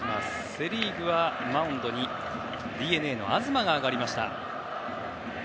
セ・リーグはマウンドにＤｅＮＡの東が上がりました。